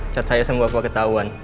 cat saya sama bapak ketahuan